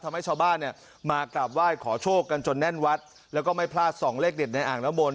ทำให้ชาวบ้านมากลับว่าขอโชคกันจนแน่นวัดแล้วก็ไม่พลาด๒เลขเด็ดในอ่างน้ำมนต์